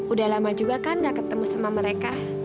udah lama juga kan gak ketemu sama mereka